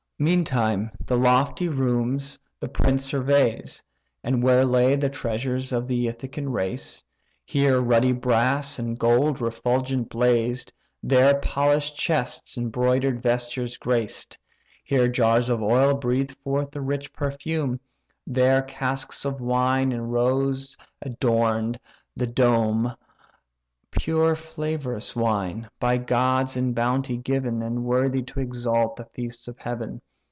Meantime the lofty rooms the prince surveys, Where lay the treasures of the Ithacian race: Here ruddy brass and gold refulgent blazed; There polished chests embroider'd vestures graced; Here jars of oil breathed forth a rich perfume; There casks of wine in rows adorn'd the dome (Pure flavorous wine, by gods in bounty given And worthy to exalt the feasts of heaven).